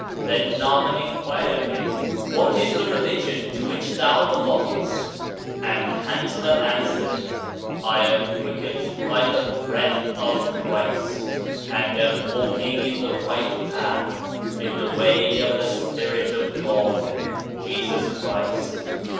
Then Naaman inquired of him: "What is the religion to which thou belongest?" And Hanzalah answered: "I am quickened by the breath of Christ, and am walking in the right path, in the way of the Spirit of God (Jesus Christ)."